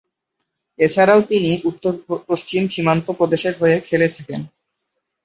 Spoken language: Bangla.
এছাড়াও তিনি উত্তর-পশ্চিম সীমান্ত প্রদেশের হয়েও খেলে থাকেন।